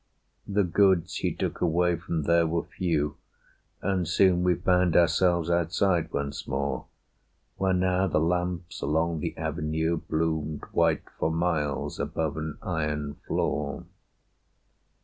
The goods he took away from there were few, And soon we found ourselves outside once more, Where now the lamps along the Avenue Bloomed white for miles above an iron floor.